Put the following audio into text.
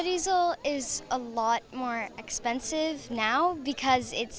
ini tidak berbeda